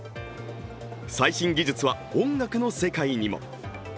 最新技術は音楽の世界にも。